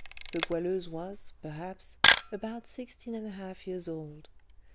The Goualeuse was, perhaps, about sixteen and a half years old.